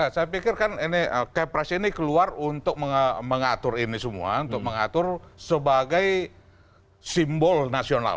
saya pikir kan ini kepres ini keluar untuk mengatur ini semua untuk mengatur sebagai simbol nasional